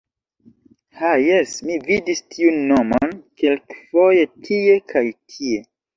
Ha jes, mi vidis tiun nomon kelkfoje tie kaj tie.